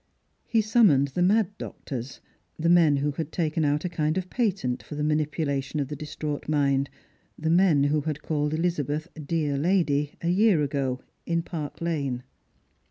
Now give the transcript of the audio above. He summoned the mad doctors — the men who had taken out a kind of patent for the manipulation of the distraught mind — the men who had called Elizabeth " dear lady," a year ago, in Park lane.